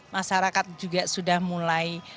masyarakat juga sudah mulai